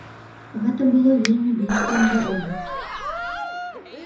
Гэта было вельмі блізка ад дарогі.